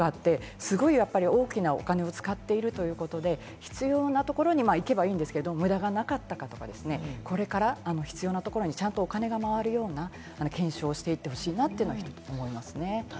すごい大きなお金を使っているということで、必要なところに行けばいいんですけれど、無駄がなかったかとか、これが必要なところにちゃんとお金が回るような検証をしていってほしいなっていうのは一つ思います。